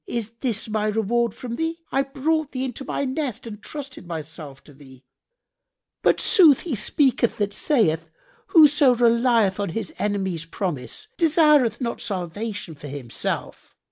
Is this my reward from thee? I brought thee into my nest and trusted myself to thee: but sooth he speaketh that saith, 'Whoso relieth on his enemy's promise desireth not salvation for himself.'